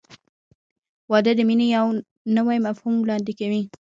• واده د مینې یو نوی مفهوم وړاندې کوي.